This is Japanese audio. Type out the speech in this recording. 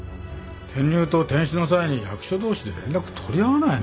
転入と転出の際に役所同士で連絡取り合わないのかよ？